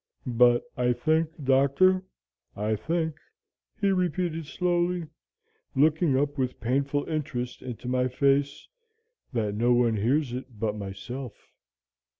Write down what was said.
But I think, Doctor, I think,' he repeated slowly, looking up with painful interest into my face, 'that no one hears it but myself.'